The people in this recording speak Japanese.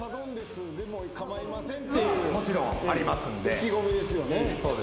意気込みですよね。